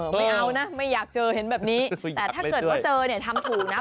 ไม่เอานะไม่อยากเจอเห็นแบบนี้แต่ถ้าเกิดว่าเจอเนี่ยทำถูกนะ